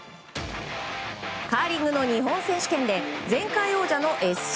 カーリングの日本選手権で前回王者のＳＣ